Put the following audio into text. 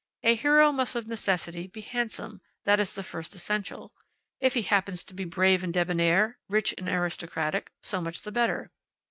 A hero must of necessity be handsome; that is the first essential. If he happens to be brave and debonair, rich and aristocratic, so much the better.